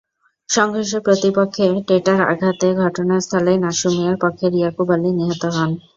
সংঘর্ষে প্রতিপক্ষের টেঁটার আঘাতে ঘটনাস্থলেই নাসু মিয়ার পক্ষের ইয়াকুব আলী নিহত হন।